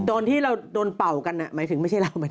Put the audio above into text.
โดนที่เราโดนเป่ากันน่ะหมายถึงไม่ใช่เรา